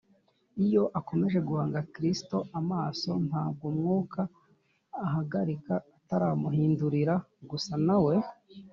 iyo akomeje guhanga kristo amaso, ntabwo mwuka ahagarika ataramuhindurira gusa na we